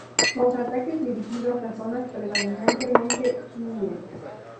Los ataques dirigidos a zonas predominantemente chiíes.